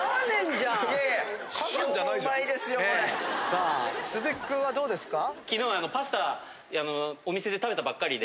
さあ鈴木君はどうですか？